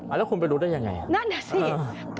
อ่ะแล้วคุณไปดูได้ยังไงนั่นสิ